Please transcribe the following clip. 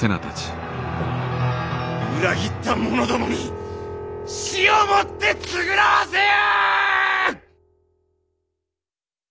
裏切った者どもに死をもって償わせよ！